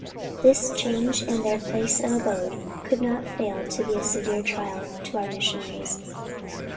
This change in their place of abode could not fail to be a severe trial to our missionaries.